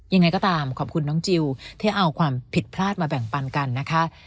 ยังไงก็ตามขอบคุณน้องจิลที่เอาความผิดพลาดมาแบ่งปันกันนะคะ